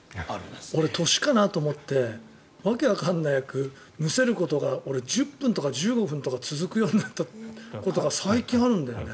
俺、年かなと思って訳わかんなくむせることが俺、１０分とか１５分とか続くようなことが最近あるんだよね。